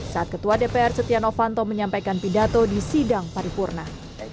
saat ketua dpr setia novanto menyampaikan pidato di sidang paripurna